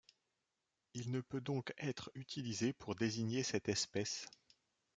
Il ne peut donc être utilisé pour désigner cette espèce.